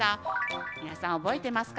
皆さん覚えてますか？